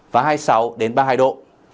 và hai mươi sáu ba mươi hai độ